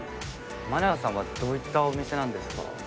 天野屋さんはどういったお店なんですか？